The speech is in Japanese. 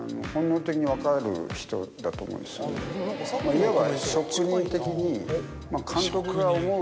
いわば。